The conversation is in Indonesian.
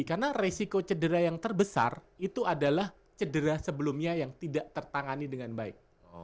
karena resiko cedera yang terbesar itu adalah cedera sebelumnya yang tidak tertangani dengan baik